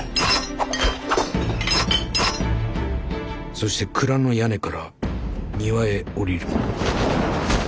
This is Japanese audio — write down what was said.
そして蔵の屋根から庭へ下りる。